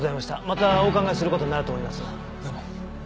またお伺いする事になると思いますが。